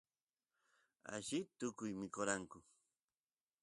allita tukuy mikoranku